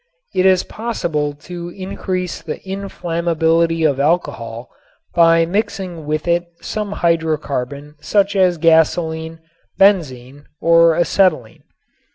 It is possible to increase the inflammability of alcohol by mixing with it some hydrocarbon such as gasoline, benzene or acetylene.